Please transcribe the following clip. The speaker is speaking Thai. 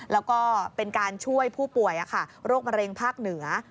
แล้วก็เป็นการช่วยผู้ป่วยโรคมะเร็งภาคเหนือ